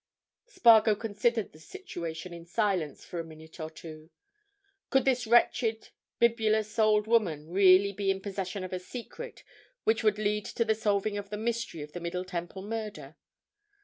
Spargo considered the situation in silence for a minute or two. Could this wretched, bibulous old woman really be in possession of a secret which would lead to the solving of the mystery of the Middle Temple Murder?